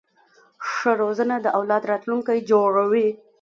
ښه روزنه د اولاد راتلونکی جوړوي.